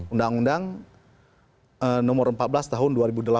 undang undang nomor empat belas tahun dua ribu delapan